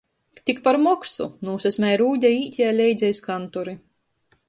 "Tik par moksu!" nūsasmej Rūde i īt jai leidza iz kantori.